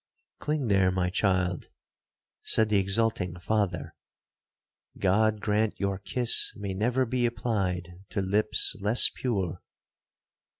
'Cling there, my child,' said the exulting father.—'God grant your kiss may never be applied to lips less pure.'